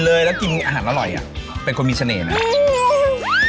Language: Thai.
รสชาติมันเป็นนวลมีความสอมที่พี่หนู